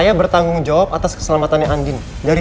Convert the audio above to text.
kamu tuh nggak ketawa sama aku dulu l horizontal erica